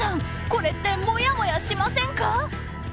これってもやもやしませんか？